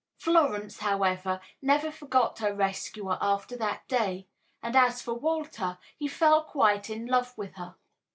Florence, however, never forgot her rescuer after that day, and as for Walter, he fell quite in love with her.